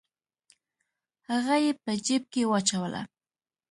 هغه یې په جیب کې واچوله.